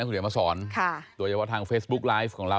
คุณเดี๋ยวมาสอนโดยเฉพาะทางเฟซบุ๊กไลฟ์ของเรา